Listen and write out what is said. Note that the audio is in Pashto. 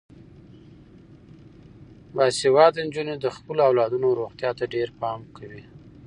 باسواده نجونې د خپلو اولادونو روغتیا ته ډیر پام کوي.